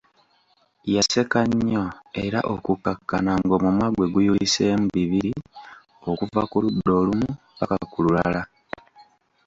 Yaseka nnyo era okukkakkana ng'omumwa gwe guyuliseemu bibiri okuva ku ludda olumu ppaka ku lulala!